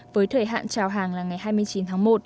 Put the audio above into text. với thời hạn trào hàng là ngày hai mươi chín tháng một